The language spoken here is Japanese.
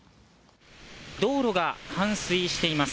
道路が冠水しています。